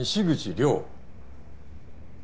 亮